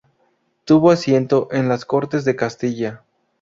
Tuvo asiento en las Cortes de Castilla.